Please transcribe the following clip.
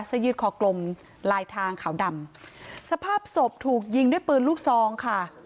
ยืดคอกลมลายทางขาวดำสภาพศพถูกยิงด้วยปืนลูกซองค่ะ